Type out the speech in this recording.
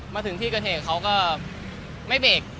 มาถึงที่กระเทศเขาก็ไม่เบรก